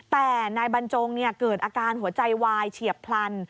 แต่นายบรรจงเกิดอาการหัวใจวายเฉียบพลัน